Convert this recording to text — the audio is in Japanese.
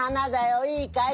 いいかい？